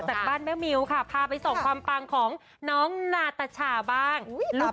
จากบ้านแม่มิวค่ะพาไปส่งความปังของน้องนาตาชาบ้างอุ้ยตาเปล่าจ้ะ